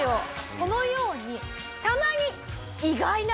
このように。